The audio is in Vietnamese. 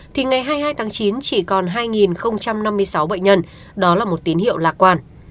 thì ngày hai mươi hai tháng chín chỉ còn hai hai